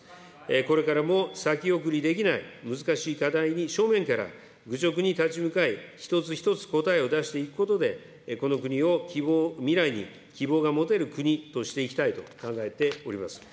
これからも先送りできない難しい課題に正面から愚直に立ち向かい、一つ一つ答えを出していくことで、この国を希望、未来に希望が持てる国としていきたいと考えております。